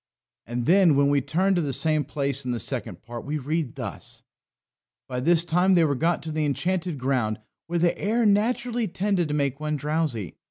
And then when we turn to the same place in the Second Part we read thus: "By this time they were got to the Enchanted Ground, where the air naturally tended to make one drowsy.